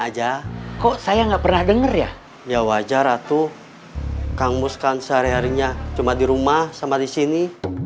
aja kok saya nggak pernah denger ya ya wajar atuh kang muskan seharinya cuma di rumah sama disini